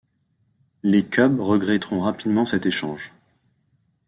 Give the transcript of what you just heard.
Les Cubs regretteront rapidement cet échange.